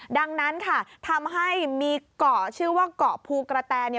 ดังนั้นค่ะทำให้มีเกาะชื่อว่าเกาะภูกระแต